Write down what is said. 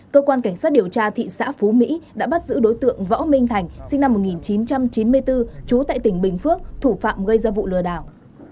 cơ quan cảnh sát điều tra thị xã phú mỹ đã bắt giữ đối tượng võ minh thành sinh năm một nghìn chín trăm chín mươi bốn trú tại tỉnh bình phước thủ phạm gây ra vụ lừa đảo